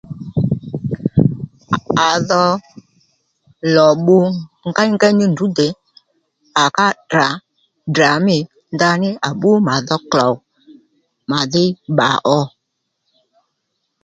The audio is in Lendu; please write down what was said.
À dho lò bbu ngéyngéy ní ndrǔ dè à ká tdra Ddra mî ndaní à bbú mà dho klòw mà dhí bba ó